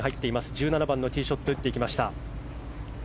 １７番のティーショットを打ちました。